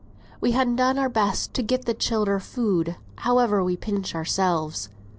We han done our best to gi' the childer food, howe'er we pinched ourselves."